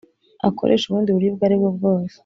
akoreshe ubundi buryo ubwo ari bwo bwose